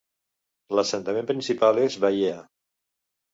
L'assentament principal és Vaiea.